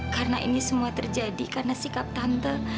karena ini semua terjadi karena sikap tante